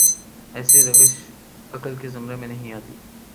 ایسی روش عقل کے زمرے میں نہیںآتی۔